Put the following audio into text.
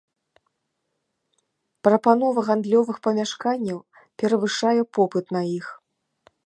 Прапанова гандлёвых памяшканняў перавышае попыт на іх.